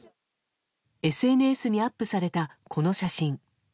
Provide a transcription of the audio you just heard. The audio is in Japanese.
ＳＮＳにアップされた、この写真。